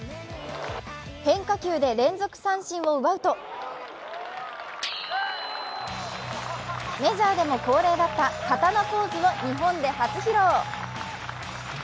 変化球で連続三振を奪うとメジャーでも恒例だった刀ポーズを日本で初披露。